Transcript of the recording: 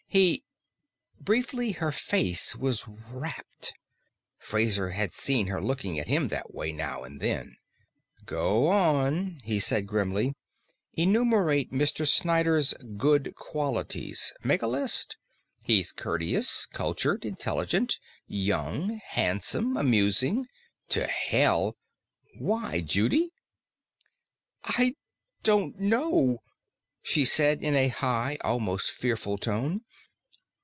"He " Briefly, her face was rapt. Fraser had seen her looking at him that way, now and then. "Go on," he said grimly. "Enumerate Mr. Snyder's good qualities. Make a list. He's courteous, cultured, intelligent, young, handsome, amusing To hell! Why, Judy?" "I don't know," she said in a high, almost fearful tone.